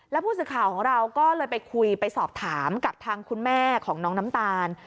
แล้วผู้สื่อข่าวของเราก็เลยไปคุยไปสอบถามกับทางคุณแม่ของน้องน้ำตาล